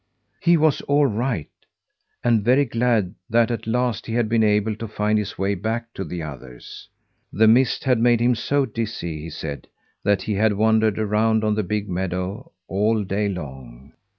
He was all right, and very glad that, at last, he had been able to find his way back to the others. The mist had made him so dizzy, he said, that he had wandered around on the big meadow all day long.